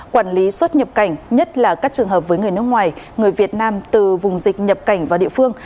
quản lý xuất nhập cảnh nhất là các trường hợp với người nước ngoài người việt nam từ vùng dịch nhập cảnh vào địa phương